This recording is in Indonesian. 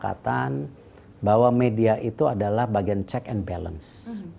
kesepakatan bahwa media itu adalah bagian check and balance